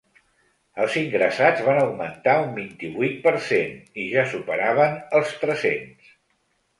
Els ingressats van augmentar un vint-i-vuit per cent i ja superaven els tres-cents.